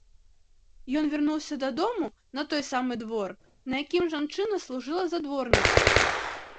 Ён вярнуўся дадому, на той самы двор, на якім жанчына служыла за дворнічыху.